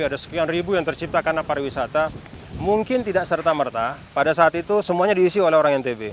ada sekian ribu yang tercipta karena pariwisata mungkin tidak serta merta pada saat itu semuanya diisi oleh orang ntb